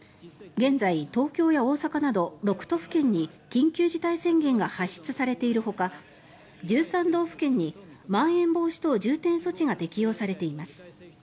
現在、東京や大阪など６都府県に緊急事態宣言が発出されているほか１３道府県にまん延防止等重点措置が適用されています。